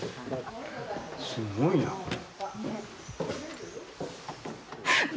すごいなこれ。